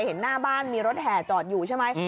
เห็นหน้าบ้านมีรถแห่จอดอยู่ใช่ไหม